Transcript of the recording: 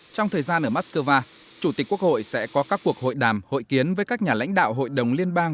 trong thời gian ở moscow chủ tịch quốc hội sẽ có các cuộc hội đàm hội kiến với các nhà lãnh đạo hội đồng liên bang